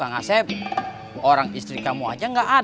ya pak dudung ya